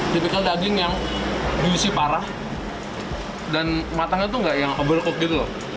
kipikan daging yang diisi parah dan matangnya tuh enggak yang overcooked gitu loh